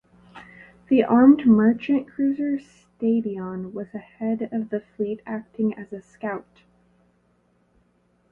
The armed merchant cruiser "Stadion" was ahead of the fleet acting as a scout.